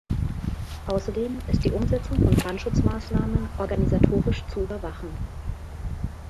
Außerdem ist die Umsetzung von Brandschutzmaßnahmen organisatorisch zu überwachen.